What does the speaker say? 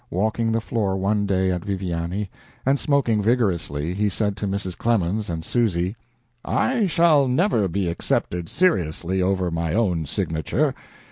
Walking the floor one day at Viviani, and smoking vigorously, he said to Mrs. Clemens and Susy: "I shall never be accepted seriously over my own signature.